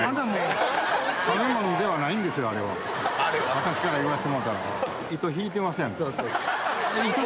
私から言わしてもうたら。